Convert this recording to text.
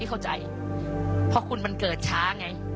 ขอบคุณครับ